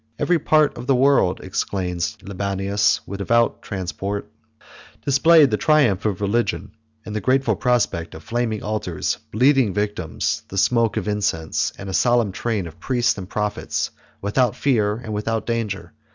"Every part of the world," exclaims Libanius, with devout transport, "displayed the triumph of religion; and the grateful prospect of flaming altars, bleeding victims, the smoke of incense, and a solemn train of priests and prophets, without fear and without danger.